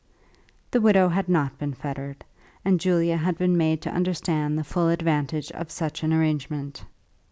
The widow had not been fettered, and Julia had been made to understand the full advantage of such an arrangement.